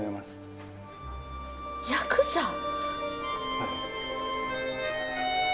はい。